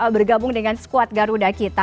bergabung dengan squad garuda kita